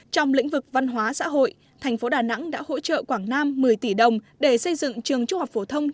trong lĩnh vực văn hóa xã hội thành phố đà nẵng đã hỗ trợ quảng nam một mươi tỷ đồng để xây dựng trường trung học phổ thông